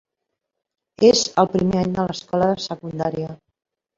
És el primer any de l'escola secundària.